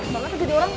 banget jadi orang